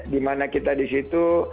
dimana kita disitu